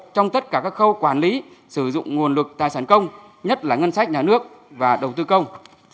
trong tất cả các khâu quản lý sử dụng nguồn lực tài sản công nhất là ngân sách nhà nước và đầu tư công